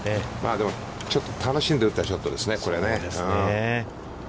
でも、ちょっと楽しんで打ったショットでしたね。